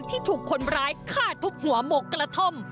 ที่ถูกคนร้ายฆ่าทุบหัวหมกกระท่อม